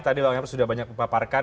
tadi bang emro sudah banyak paparkan